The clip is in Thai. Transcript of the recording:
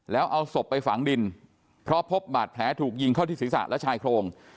แล้วเอาศพไปฝังดินเพราะพบบาดแผลถูกยิงเข้าที่ศีรษะและชายโครง